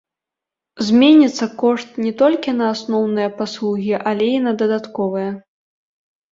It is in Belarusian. Зменіцца кошт не толькі на асноўныя паслугі, але і на дадатковыя.